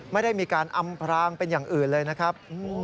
ไม่ได้มีการอำพรางเป็นอย่างอื่นเลยนะครับ